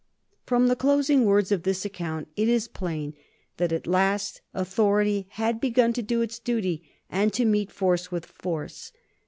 From the closing words of this account it is plain that at last authority had begun to do its duty and to meet force with force.